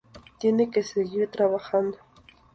Tiene que seguir trabajando.